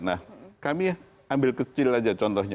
nah kami ambil kecil aja contohnya